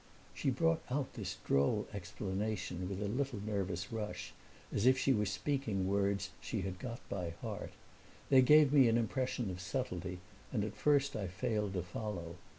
She brought out this droll explanation with a little nervous rush, as if she were speaking words she had got by heart. They gave me an impression of subtlety and at first I failed to follow.